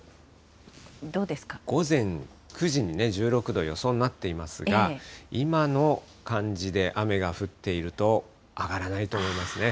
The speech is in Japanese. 午前９時に１６度予想になっていますが、今の感じで雨が降っていると、上がらないと思いますね。